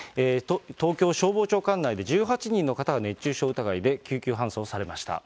東京消防庁管内で１８人の方が熱中症疑いで、救急搬送されました。